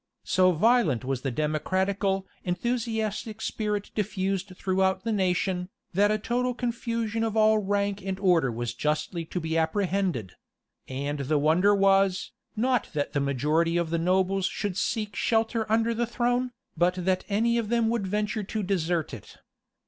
[*] So violent was the democratical, enthusiastic spirit diffused throughout the nation, that a total confusion of all rank and order was justly to be apprehended; and the wonder was, not that the majority of the nobles should seek shelter under the throne, but that any of them should venture to desert it.